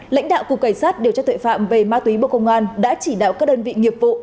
lãnh đạo cục cảnh sát điều tra tuệ phạm về ma túy bộ công an đã chỉ đạo các đơn vị nghiệp vụ